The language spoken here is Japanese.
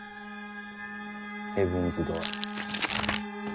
ヘブンズ・ドアー。